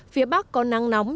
phía bắc có nắng nóng